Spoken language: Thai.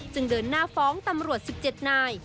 เดินหน้าฟ้องตำรวจ๑๗นาย